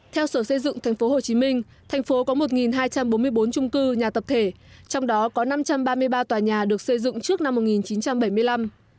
theo sở xây dựng tp hcm thành phố có một hai trăm bốn mươi bốn trung cư nhà tập thể trong đó có năm trăm ba mươi ba tòa nhà được xây dựng trước năm một nghìn chín trăm bảy mươi năm